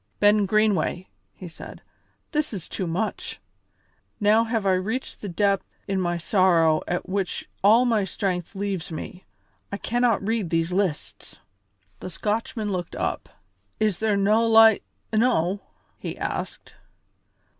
"Ben Greenway," he said, "this is too much! Now have I reached the depth in my sorrow at which all my strength leaves me. I cannot read these lists." The Scotchman looked up. "Is there no' light enow!" he asked.